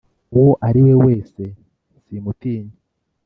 uwo ari we wese simutinya